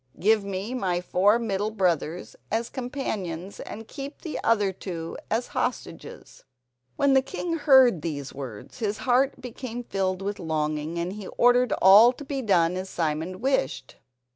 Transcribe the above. Give me my four middle brothers as companions, and keep the two others as hostages." When the king heard these words his heart became filled with longing, and he ordered all to be done as Simon wished.